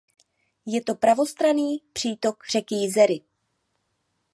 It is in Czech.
Je to pravostranný přítok řeky Jizery.